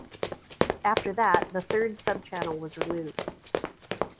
After that, the third subchannel was removed.